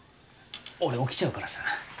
俺、起きちゃうからさ。